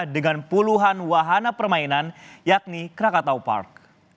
dengan puluhan wahana permainan yakni krakatau park